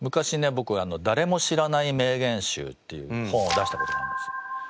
僕「誰も知らない名言集」っていう本を出したことがあるんですよ。